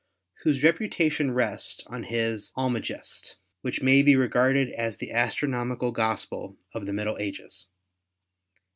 whose reputation rests on his "Almagest," which may be regarded as the astronomical gospel of the Middle Ages.